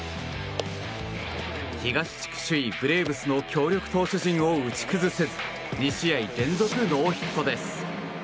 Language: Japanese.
東地区首位ブレーブスの強力投手陣を打ち崩せず２試合連続ノーヒットです。